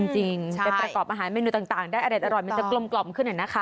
จริงไปประกอบอาหารเมนูต่างได้อเด็ดอร่อยมันจะกลมขึ้นนะคะ